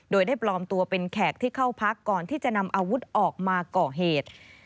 โดยได้ปลอมตัวเป็นแขกที่เข้าพักก่อนที่จะนำอาวุธออกมาก่อเหตุ